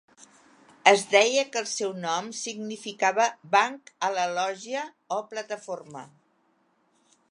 Es deia que el seu nom significava "banc a la lògia o plataforma".